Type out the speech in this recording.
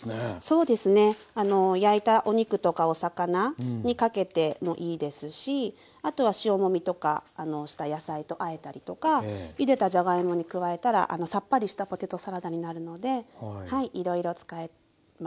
そうですね焼いたお肉とかお魚にかけてもいいですしあとは塩もみとかした野菜とあえたりとかゆでたじゃがいもに加えたらさっぱりしたポテトサラダになるのでいろいろ使えます。